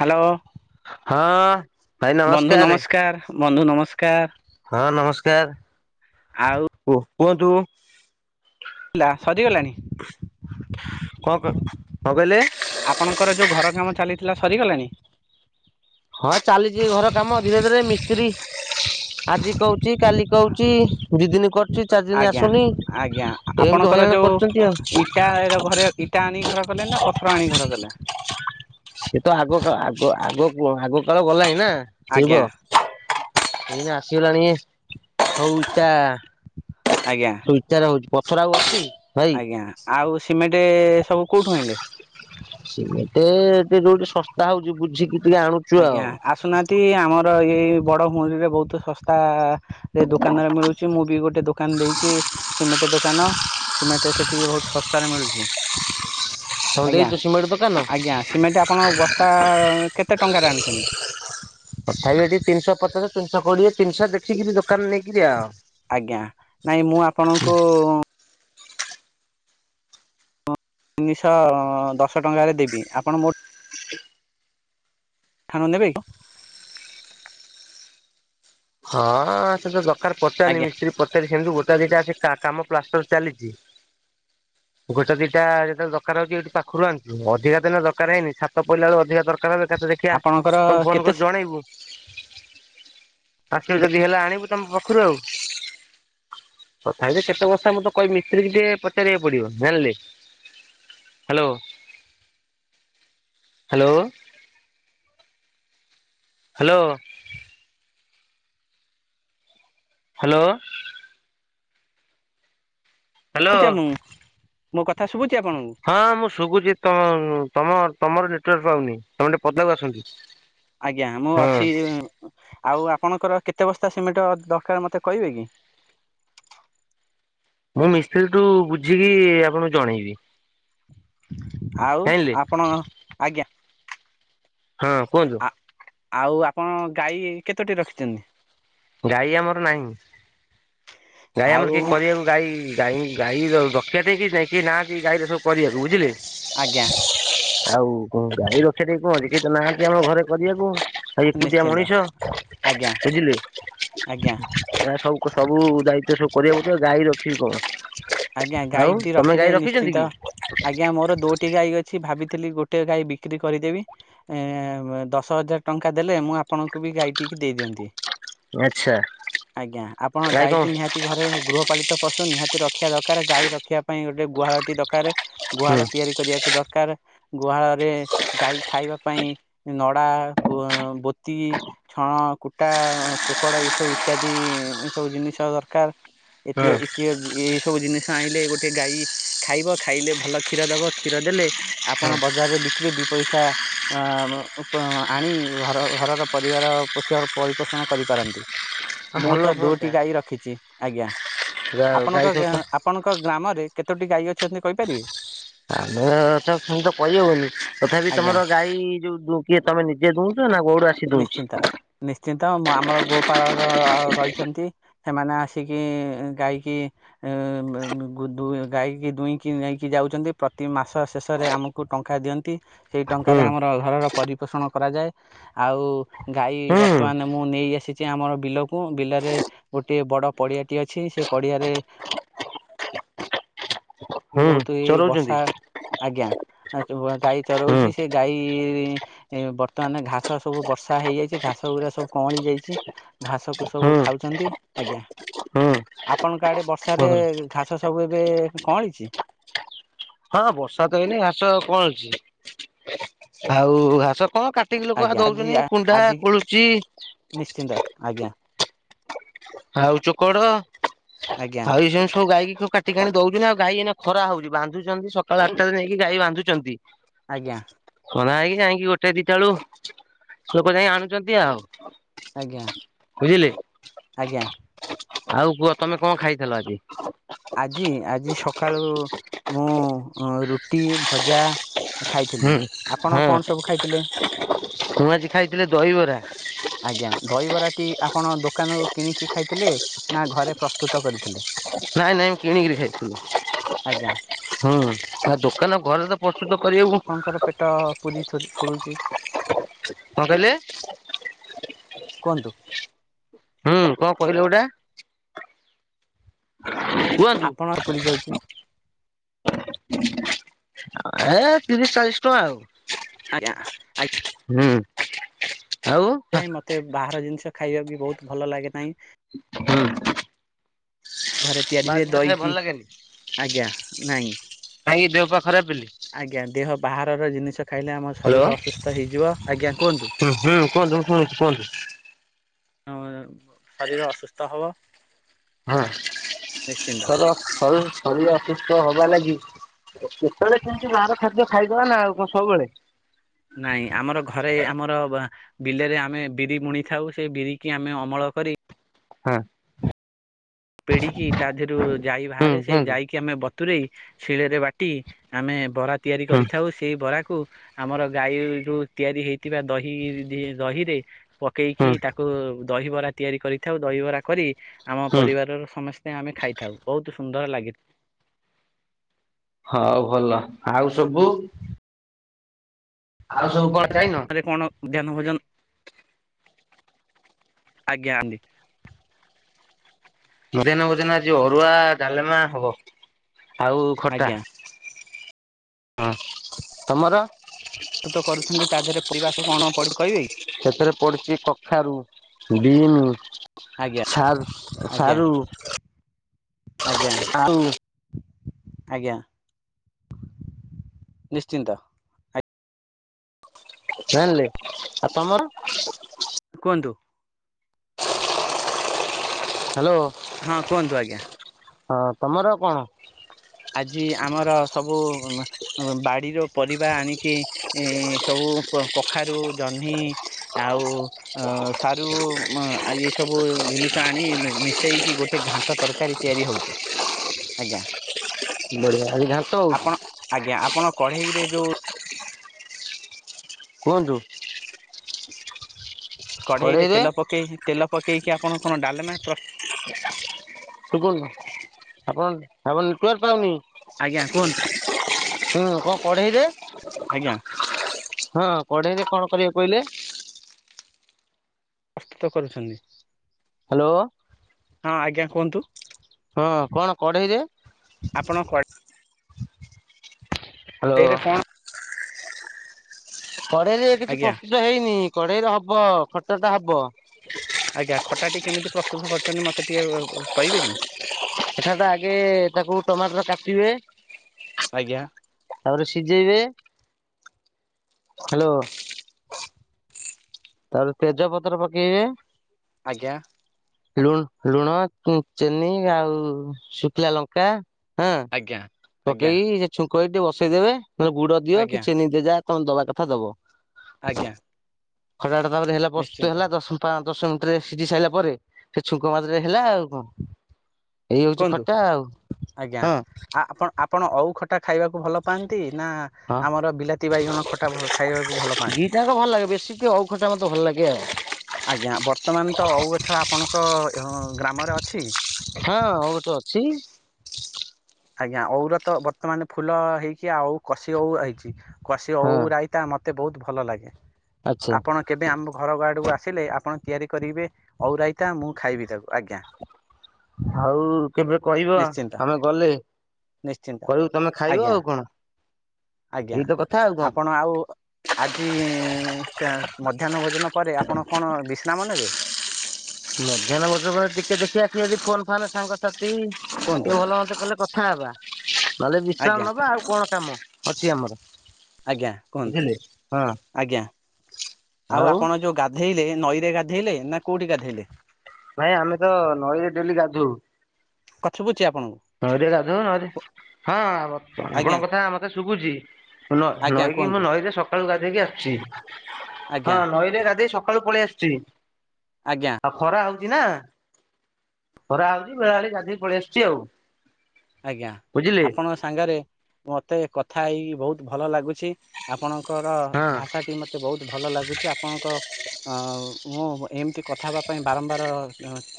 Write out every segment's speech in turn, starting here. Hello. ହଁ। ଭାଇ ନମସ୍କାରେ। ନମସ୍କାର ବନ୍ଧୁ ନମସ୍କାର କୁହ ଆଉ କୁହନ୍ତୁ? ଲା ସରିଗଲାଣିି? କଣ କ କଣ କହିଲେ? ଆପଣଙ୍କର ଯୋଉ ଘରକାମ ଚାଲିଥିଲା ସରିଗଲାଣି? ହଁ ଚାଲିଚି ଘର କାମ ଧୀରେ ଧୀରେ ମିସ୍ତ୍ରୀ ଆଜି କହୁଚି କାଲି କହୁଚି ଦି ଦିନି କ ଚି ଚାରି ଦିନ ଆଜ୍ଞା ଆସୁନି ଏମିତି ହଇରାଣ କରୁଚନ୍ତି ଆଉ। ଟା ଏରା ଘରେ ଇଟା ଆଣିିକି ଘର କଲେ ନା ପଥର ଆଣିି ଘର କଲେ? ସେତ ଆଗକା ଆଗ ଆଗକ ଆଗକାଳ ଗଲାଣିି ନା ଆଜ୍ଞା [unintelligible] ଏଇନେ ଆସିଗଲାଣି ସଉଇଟା ଆଜ୍ଞା ସଉ ଇଟାରେ ହଉଚି ପଥର ଆଉ ଅଛି ହାଁ ଆଜ୍ଞା ଆଉ ସିମେଣ୍ଟେ ସବୁ କୋଉଠୁ ଆଇଁଲେ? ସିମେଟେ ଟିକେ ଯୋଉଠି ଶସ୍ତା ହଉଚି ବୁଝିକି ଟିକେ ଆଣୁ ଆଜ୍ଞା ଆସୁନାହା ନ୍ତି ଆମର ଇଏ ବଡ ମୁଣିରେ ବହୁତ ଶସ୍ତାରେ ଦୋକାନରେ ମିଳୁଚି ମୁଁ ବି ଗୋଟେ ଦୋ ଦୋକାନ ଦେଇଚି ସିମେଣ୍ଟ ଦୋକାନ ସିମେଣ୍ଟ ସେଠି ବହୁତ ଶସ୍ତାରେ ମିଳୁଚି। ତମେ ଆଜ୍ଞା ଦେଇଛ ସିମେଣ୍ଟ ଦୋକାନ? ଆଜ୍ଞା ସିମେଣ୍ଟ ଆପଣ ବସ୍ତା କେତେ ଟଙ୍କାରେ ଆଣୁଚନ୍ତି? ତଥାପି ଏଠି ତିନିଶହ ପଚାଶ ତିିନିଶହ କୋଡିଏ ତିନିଶହ ଦେଖିକି ବି ଦୋକାନ ନେଇକିରି ଆଉ। ଆଜ୍ଞା ନାଇଁ ମୁଁ ଆପଣଙ୍କୁ ତିନିଶହ ଦଶ ଟଙ୍କାରେ ଦେବି ଆପଣ ମୋ ଆପଣ ନେବେ କି? ହଁ ସେ ତ ଦରକାର ପଚାରନି ଆଜ୍ଞା ମିସ୍ତ୍ରୀ ପଚାରି ସେମିତି ଗୋଟା ଦିଟା ଅଛି କାମ ପ୍ଲାଷ୍ଟର ଚାଲିଚି। ହ [inaudible] ଗୋଟେ ଦିଟା ଯେତେବେଳେ ଦରକାର ହଉଚି ଏଇଠି ପାଖରୁ ଆଣୁଚୁ। ଅଧିକା ତ ଏନା ଦରକାର ହେଇନି ଛାତ ପଇଲା ବେଳୁ ଅଧିକ ଦରକାର ହେଲେ ଏକାଥରେ ଦେଖିଆ ଆପଣଙ୍କର ତମକୁ ଫୋନ କେତେ କରି ଜଣେଇବୁ। ଆସିବୁ ଶୁଭୁଛି ଯଦି ହେଲା ଆଣିବୁ ତମ ପାଖରୁ ଆଉ। ତଥାପି ଯେ କେତେ ବସ୍ତା ମୁଁ ତ କହିବି ମିସ୍ତ୍ରୀକୁ ଟିକେ ପଚାରିବାକୁ ପଡିବ ଜାଣିଲେ। Hello hello. Hello. Hello? Hello. [unintelligible] ମୁଁ ମୋ କଥା ଶୁଭୁଚି ଆପଣଙ୍କୁ? ହଁ ମୁଁ ଶୁବୁଚି ତମ ଉଁ ତମର ତମର ନେଟୱାର୍କ୍ ପାଉନି ତମେ ଟିକେ ପଦାକୁ ଆସନ୍ତୁ। ଆଜ୍ଞା ମୁଁ ହଁ। ଅଛି ଆଉ ଆପଣଙ୍କର କେତେ ବସ୍ତା ସିମେଣ୍ଟ ଦରକାର ମତେ କହିବେ କି। ମୁଁ ମିସ୍ତ୍ରୀଠୁ ବୁଝିକି ଆପଣଙ୍କୁ ଜଣେଇବି। ଆଉ ଜାଣିଲେ ଆପଣ ଆଜ୍ଞା। ହଁ କୁହନ୍ତୁ। ଆ ଆଉ ଆପଣ ଗାଈ କେତୋଟି ରଖିଚନ୍ତି? ଗାଈ ଆମର ନାହିଁ ଗାଈ ଆଉ ଆମର କିଏ କରିବାକୁ ଗାଈ ଗାଈ ଗାଈର ରଖିବା ପାଇଁ କିଛି ନାହିଁ କେହି ନାହାନ୍ତି ଗାଈର ସବୁ କରିବାକୁ ବୁଝିଲେ। ଆଜ୍ଞା। ଆଉ କଁ ଗାଈ ରଖିବା ଟେଇ କଣ ଅଛି କେହି ତ ନାହାନ୍ତି ଆମ ଘରେ କରିବାକୁ। ତାଇ ଏକୁଟିଆ ନିଶ୍ଚିନ୍ତ ମଣିଷ ଆଜ୍ଞା ବୁଝିଲେ। ଆଜ୍ଞା। ଏରା ସବୁ କ ସବୁ ଦାୟିତ୍ଵ ସବୁ କରିବାକୁ [unintelligible] ଗାଈ ରଖିବି ଆଜ୍ଞା କଣ। ଆଜ୍ଞା ଆଉ ଗାଈଟି ତମେ ରଖିଲେ ଗାଈ ରଖିଚନ୍ତି ନିଶ୍ଚିନ୍ତ କି? ଆଜ୍ଞା ମୋର ଦୋଟି ଗାଈ ଅଛି ଭାବିଥିଲି ଗୋଟେ ଗାଈ ବିକ୍ରି କରିଦେବି ଏଁ ବ ଦଶ ହଜାର ଟଙ୍କା ଦେଲେ ମୁଁ ଆପଣଙ୍କୁ ବି ଗାଈ ଟିକି ଦେଇଦିଅନ୍ତି। ଆଚ୍ଛା ଆଜ୍ଞା ଆପଣଙ୍କ ଗାଈ କଣ ଗାଈଟି ନିହା ତି ଘରେ ଗୃହପାଳିତ ପଶୁ ନିହାତି ରଖିବା ଦରକାର ଗାଈ ରଖିବା ପାଇଁ ଗୋଟେ ଗୁହାଳଟି ଦରକାରେ। ହୁଁ ଗୁହାଳ ତିଆରି କରିବାକୁ ଦରକାରେ। ଗୁହାଳରେ ଗାଈ ଖାଇବା ପାଇଁ ନଡା ଓ ବୋ ତି, ଛଣ, କୁ କୁଟା, ଚୋକଡ ଏସବୁ ଇତ୍ୟାଦି ଏସବୁ ଜିନିଷ ଦରକାର। ହଁ ଏତିକ ଏତିକ ଏ ଏସ୍ ସବୁ ଜିନିଷ ଆଇଁଲେ ଗୋଟେ ଗାଈ ଖାଇବ ଖାଇଲେ ଭଲ କ୍ଷୀର ଦବ କ୍ଷୀର ଦେଲେ ଆପଣ ହଁ। ବଜାରରେ ବିକିଲେ ଦିଇ ପଇସା ଓ ଆମ ଓପ ମ ଆଣି ଘର ଓ ଘରର ପରିବାର ପୋସିଅ ପରିପୋଷଣ କରିପାରନ୍ତି। ହଁ ମୁଁ ଭଲ ତ ଦୁଇଟି ହୁଅନ୍ତା ଗାଈ ରଖିଚି ଆଜ୍ଞା ଆପଣଙ୍କ ଗାଈ ଗାଁ ସହିତ ଆପଣଙ୍କ ଗ୍ରାମରେ କେତୋଟି ଗାଈ ଅଛନ୍ତି କହିପାରିବେ? ଆମର ତ ସେମିତ ତ କଇ ହବନି ତଥାପି ଆଜ୍ଞା। ତମର ଗାଈ ଯୋଉ ଉମ୍ କିଏ ତମେ ନିଜେ ଦୁହୁଁଚ ନା ଗୋଉଡୁ ଆସି ଦୁହଁଟି? ନିଶ୍ଚିନ୍ତ ନିଶ୍ଚିନ୍ତ ମୁଁ ଆମର ଗୋପାଳର ର ରହିଚନ୍ତି। ସେମାନେ ଆସିକି ଗାଇକି ଏ ଗୁ ଦୁଏ ଗାଈକି ଦୁହିଁକି ନେଇକି ଯାଉଚନ୍ତି ପ୍ରତି ମାସ ଶେଷରେ ଆମକୁ ଟଙ୍କା ଦିଅନ୍ତି ସେଇ ଟଙ୍କାରେ ହୁଁ ଆମର ଘରର ପରିପୋଷଣ କରାଯାଏ ଆଉ ଗାଈ ହୁଁ ବର୍ତ୍ତମାନ ମୁଁ ନେଇ ଆସି ଆମର ବିଲକୁ ବିଲରେ ଗୋଟିଏ ବଡ ପଡିଆଟି ଅଛି ସେ ପଡିଆରେ ବି ହୁଁ ବୋହୁତୁ ଏଇ ଚରଉଛନ୍ତି ବର୍ଷା ଆଜ୍ଞା ଆ ଚୁଆ ଗାଈ ହୁଁ ଚରୋଉଚି ସିଏ ଗାଈ ବି ଏ ବର୍ତ୍ତମାନେ ଘାସ ସବୁ ବର୍ଷା ହେଇଯାଇଚି ଘାସଉରା ସବୁ କଅଁଳି ଯାଇଚି। ଘାସକୁ ସବୁ ହୁଁ। ଖାଉଚନ୍ତି। ଆଜ୍ଞା ହୁଁ ଆପଣଙ୍କ ଆଡେ ବର୍ଷାରେ ଘାସ ସବୁ ଏବେ କଅଁଳି ଚି ହଁ ବର୍ଷା ତ ହେଇନେଇ ଘାସ କଅଁଳିଚି ଆଉ ଘାସ କଣ କା ଏତିକି ଲୋକ ହା ଆଜ୍ଞା ଆଜି ଦଉଛନ୍ତି ଆ- କୁଣ୍ଡା ଆଜି କୋଳୁଚି ନିଶ୍ଚିନ୍ତ ଆଜ୍ଞା। ଆଉ ଚୋକଡ। ଆଜ୍ଞା। ଆଉ ଏଇସୁ ସବୁ ଗାଇଈ କାଟିଣି ଦଉୁି ଆଉ ଗାଈ ଏ ଖରା ହଉଛି ବାନ୍ଧୁଛନ୍ତି ସକାଳ ଆଠଟାରେ ନେଇକି ଗାଈ ବାନ୍ଧୁଛନ୍ତି। ଆଜ୍ଞା। ଖରା ହେଇକି ଯାଇକି ଗୋଟେ ଦିଇଟା ବୋଲୁ ଲୋକ ଯାଇକି ଆଣୁଛନ୍ତି ଆଉ? ଆଜ୍ଞା। ବୁଝିଲେ ଆଜ୍ଞା। ଆଉ କୁହ ତମେ କଣ ଖାଇଥିଲ ଆଜି। ଆଜି ଆଜି ସକାଳୁ ମୁଁ ରୁଟି ଭଜା? ଖାଇଥିଲି ହୁଁ ଆପଣ କଣ ହଁ ସବୁ ଖାଇଥିଲେ ମୁଁ ଆଜି ଖାଇଥିଲି ଦହିବରା। ଆଜ୍ଞା ଦହିବରାଟି ଆପଣ ଦୋକାନରୁ କିଣିକି ଖାଇଥିଲେ ନା ଘରେ ପ୍ରସ୍ତୁତ କରିଥିଲେ। ନାଇଁ ନାଇଁ ମୁ କିଣିକରି ଆଜ୍ଞା ଖାଇଥିଲୁ। ହୁଁ ଆ ଦୋକାନ ଘରେ ତ ପ୍ରସ୍ତୁତ କରିବାକୁ ଆପଣଙ୍କର ପେଟ ପୁରି ପୁରୁଛି କଁଣ କହିଲେ କୁହନ୍ତୁ ହୁଁ କଣ କହିଲେ ଗୋଟା କୁହନ୍ତୁ ଏ ଆପଣ ପୁରି ଯାଉଛି ତିରିଶ ଚାଳିଶ ଟଙ୍କା ଆଉ ଆଜ୍ଞା। ହୁଁ। ଆଉ ସେଥିପାଇଁ ହୁଁ ମୋତେ ବାହାର ଜିନିଷ ଖାଇବା ବି ବହୁତ ଭଲ ଲାଗେ ନାହିଁ। ହଁ। ଘରେ ତିଆରି ହୁଏ ଖାଇବା ଭଲ ଦହିକି ଲାଗେନି ଆଜ୍ଞା ନାଇଁ ଖାଏକି ଦେପ ଖରାପ ବୋଲି। ଆଜ୍ଞା ଦେହ ବାହାରର ଜିନିଷ ଖାଇଲେ ଆମ ହ୍ୟାଲୋ ଶରୀର ଅସୁସ୍ଥ ହେଇଯିବ ଆଜ୍ଞା କୁହନ୍ତୁ? ହୁଁ ହୁଁ କୁହନ୍ତୁ ମୁଁ ଶୁଣୁଛି କୁହନ୍ତୁ ଶରୀର ଅସୁସ୍ଥ ହେବ। ହଁ ତର ଶରୀର ଅସୁସ୍ଥ ହବା ଲାଗି କେତେବେଳେ କେମତି ବାହାର ଖାଦ୍ୟ ଖାଇଦଲା ନା ଆଉ କଣ ସବୁବେଳେ ନାଇଁ ଆମର ଘରେ ଆମର ବିଲରେ ଆମେ ବିରି ବୁଣିଥାଉ ସେ ବିରି କି ଆମେ ଅମଳ କରି ହଁ। ପେଡିକି ତା ଦେହରୁ ଯାଇ ହୁଁ ବାହାରେ ସେ କୁହନ୍ତୁ ଯାଇକି ଆମେ ବତ୍ ରେଇ ଶିଳରେ ବାଟି ଆମେ ବରା ତିଆରି ହୁଁ କରିଥାଉ। ସେଇ ବରାକୁ ଆମର ଗାଈ ରୁ ତିଆରି ହେଇଥିବା ଦହି ଦହିରେ ପକେଇକି ହୁଁ ତାକୁ ଦହିବରା ତିଆରି କରିଥାଉ ଦହିବରା କରି ଆମ ହୁଁ ପରିବାରର ସମସ୍ତେ ଆମେ ଖାଇଥାଉ ବହୁତ ସୁନ୍ଦର ଲାଗିଥା ହଁ ଭଲ ଆଉ ସବୁ ଆଉ ସବୁ କନ ଖାଇନ। ସେକଣ ମଧ୍ୟାନ ଭୋଜନ ଆଜ୍ଞା ଆନ୍ତି ମଧ୍ୟ ନ ଭୋଜନ ଆଜି ଅରୁଆ ଡାଲମା ହବ ଆଉ? ଖୋଟା ଆଜ୍ଞା ହଁ ତୁମର ପ୍ରସ୍ତୁତ କରୁଛନ୍ତି ତା ଦେହରେ ପିବାସକୁ କଣ ପ କହିବେ କି? ସେଥିରେ ପଡିଛି କଖାରୁ ଡିମ୍। ଆଜ୍ଞା ସାର୍ ଆଜ୍ଞା ସାରୁ ଆଜ୍ଞା। ଆଳୁ ଆଜ୍ଞା ନିଶ୍ଚିନ୍ତ। [unintelligible] ଜଣିଲି ଆଉ ତମର? କୁହନ୍ତୁ? ହ୍ୟାଲୋ। ହଁ କୁହନ୍ତୁ ଆଜ୍ଞା? ହଁ ତମର କଣ? ଆଜି ଆମର ସବୁ- ବାଡିର ପରିବା ଆଣିକି ଏଁ ସବୁ କଖାରୁ, ଜହ୍ନି- ଆଉ ଅ ସାରୁ ମ ଏ ସବୁ ଜିନିଷ ଆଣି, ମିଶେଇକି ଗୋଟେ ଘାଣ୍ଟ ଟ ତରକାରୀ ତିଆରି ହଉଛି, ଆଜ୍ଞା। ବଢିଆ, ଆଜି ଘା- ଆପଣ ଆଜ୍ଞା ଆପଣ କଢେଇରେ ଯୋଉ କୁହନ୍ତୁ? କଢେଇରେ ତେଲ ପକେଇକି ତେଲ ପକେଇକି ଆପଣ କଣ ଡାଲେମା ପ୍ରସ୍‌ ଶୁଗୁନି, ଆପଣ ଆପଣ ନେଟୱାର୍କ ପାଉନି। ଆଜ୍ଞା କୁହନ୍ତୁ? ହୁଁ କଣ କଢେଇରେ? ଆଜ୍ଞା। ହଁ କଢେଇରେ କଣ କରିବାକୁ କହିଲେ? ପ୍ରସ୍ତୁତ କରୁଛନ୍ତି। ହାଲୋ? ହଁ ଆଜ୍ଞା କୁହନ୍ତୁ। ହଁ କଣ କଢେଇରେ? କଣ? ହ୍ୟାଲୋ ସେଇରେ କଣ? କଢେଇରେ କିଛି ଆଜ୍ଞା ପ୍ରସ୍ତୁତ ହେଇନି, କଢେଇରେ ହବ, ଖଟ ଟା ହବ। ଆଜ୍ଞା ଖଟାଟି କେମିତି ପ୍ରସ୍ତୁତ କରୁଛନ୍ତି ମତେ ଟିକେ ଅ ଅ କହିବେ କି? ଏଠା ଟା ଆଗେ ତାକୁ ଟମାଟର କାଟିବେ। ଆଜ୍ଞା। ତାପରେ ସିଝେଇବେ। ହାଲୋ? ତା ପରେ ତେଜ ପତ୍ର ପକେଇବେ। ଆଜ୍ଞା। ଲୁଣ, ଲୁଣ, ଚିନି ଆଉ ଶୁଖିଲା ଲଙ୍କା ହୁଁ। ଆଜ୍ଞା। ଆଜ୍ଞା ପକେଇ ସେ ଛୁଙ୍କହେଇ ଟିକେ ବସେଇ ଦେବେ ନହେଲେ ଗୁଡ ଦିଅ ଆଜ୍ଞା କି ଚିନି ଦିଅ ଯା ତମେ ଦବା କଥା ଦବ। ଆଜ୍ଞା। ଖଟାଟା ତାପରେ ହେଲା ପ୍ରସ୍ତୁତ ନିଶ୍ଚିନ୍ତ ହେଲା ଦଶ ମି ପାଁଞ୍ଚ ଦଶ ମିନିଟରେ ସିଝି ସାରିଲା ପରେ, ସେ ଛୁଙ୍କ ମାରି ଦେଲେ ହେଲା ଆଉ କଣ। ଏଇ ହଉଛି କୁହନ୍ତୁ ଖଟା ଆଉ, ଆଜ୍ଞା। ହଁ। ଆ ଆପଣ ଆପଣ ଅଉ ଖଟା ଖାଇବାକୁ ଭଲ ପାଆନ୍ତି, ନା ହଁ ଆମର ବିଲାତି ବାଇଗଣ ଖଟା ଭଲ ଖାଇବାକୁ ଭଲ ପାଆନ୍ତି। ଦିଟାଙ୍କ ଭଲ ଲାଗେ ବେଶୀ ଟିକେ ଓଉ ଖଟା ମତେ ଭଲ ଲାଗେ ଆଉ ଆଜ୍ଞା। ବର୍ତ୍ତମାନ ତ ଅଉ ଗଛ ଆପଣଙ୍କ ହଁ ଗ୍ରାମରେ ଅଛି। ହଁ ଅଉ ଗଛ ଅଛି। ଆଜ୍ଞା ଅଉର ତ ବର୍ତ୍ତମାନ ଫୁଲ ହେଇକି ଆଉ କଷି ଅଉ ହେଇଛି। କଷି ଅଉ ହଁ ରାଇ ତା ମତେ ବହୁତ ଭଲ ଲାଗେ। ଆଚ୍ଛା। ଆପଣ କେବେ ଆମ ଘର ଗ ଆଡକୁ ଆସିଲେ, ଆପଣ ତିଆରି କରିବେ ଅଉରାଇତା ମୁଁ ଖାଇବି ତାକୁ। ଆଜ୍ଞା। ହଉ କେବେ କହିବ, ନିଶ୍ଚିନ୍ତ ଆମେ ଗଲେ। ନିଶ୍ଚିନ୍ତ କରିବୁ ତମେ ଖାଇବ ଆଜ୍ଞା ଆଉ କଣ। ଆଜ୍ଞା। ଏଇତ କଥା ଆଉ କଣ ଆପଣ ଆଉ ଆଜି କାଁ ମଧ୍ୟାହ୍ନ ଭୋଜନ ପରେ ଆପଣ କଣ ବିଶ୍ରାମ ନେବେ। ମଧ୍ୟାନ ଭୋଜନ ପରେ ଟିକେ ଦେଖି ଆସିବ ଯଦି ଫୋନ ଫାନ ସାଙ୍ଗସାଥି କୁହନ୍ତୁ ଭଲ ହୁଅନ୍ତ କଲେ। କଥା ହେବା ନହେଲେ ଆଜ୍ଞା ବିଶ୍ରାମ ନବା ଆଉ କଣ କାମ ଅଛି ଆମର। ଆଜ୍ଞା କୁହନ୍ତୁ ବୁଝିଲେ ହଁ ଆଜ୍ଞା ଆଉ ଆପଣ ଯୋଉ ଗା ଗାଧେଇଲେ ନଈରେ ଗାଧେଇଲେ ନା କୋଉଠି ଗାଧୋଇଲେ? ଭାଇ ଆମେ ତ ନଈରେ ଡେଲି ଗାଧଉ। କଣ ସୁଭୁଛି ଆପଣଙ୍କୁ। ନଈ ରେ ଗାଧୁଅ ନଈରେ ହଁ ମତ ଆଜ୍ଞା ଆପଣଙ୍କ କଥା ମତେ ଶୁବୁଚି। ନ ଆଜ୍ଞା ନଈକି ମୁଁ କୁହନ୍ତୁ ନଈରେ ସକାଳୁ ଗାଧେଇକି ଆସିଛି। ହଁ ଆଜ୍ଞା ନଈଲେ ଗାଧେଇକି ସକାଳୁ ପଳେଇ ଆସିଛି। ଆଜ୍ଞା। ଆଉ ଖରା ହଉଛି ନା ଖରା ହଉଛି ବେଳାବେଳି ଗାଧୋଇକି ପଳେଇ ଆସୁଛି ଆଉ। ଆଜ୍ଞା। ବୁଝିଲେ ଆପଣଙ୍କ ସାଙ୍ଗରେ ମୋତେ କଥା ହେଇ ବହୁତ ଭଲ ଲାଗୁଛି ଆପଣଙ୍କ ଙ୍କର ହଁ ଭାଷା ଟି ମତେ ବହୁତ ଭଲ ଲାଗୁଛି ଆପଣଙ୍କ ଅ ମୁଁ ଏମିତି କଥା ହେବା ପାଇଁ ବାରମ୍ବାର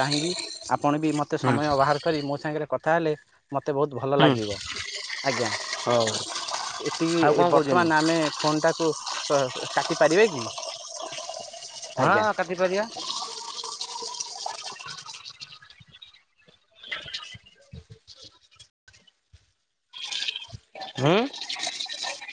ଚାହିଁବି। ଆପଣ ବି ମୋତେ ହୁଁ ସମୟ ବାହାର କରି ମୋ ସାଙ୍ଗରେ କଥା ହେଲେ ମତେ ବହୁତ ଭଲ ହୁଁ ଲାଗିବ, ଆଜ୍ଞା ହଉ ଆଉ କଣ ଏତିକି କହୁଛନ୍ତି ବର୍ତ୍ତମାନ ଆମେ ଫୋନ୍ ଟାକୁ ବ କାଟି ପାରିବେ କି? ଆଜ୍ଞା। ହଁ କାଟି ପାରିବା। ହୁଁ।